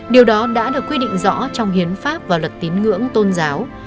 điều đó đã được quy định rõ trong hiến pháp và luật tín ngưỡng tôn giáo